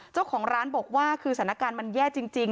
เจ้าของร้านบอกว่าคือสถานการณ์มันแย่จริง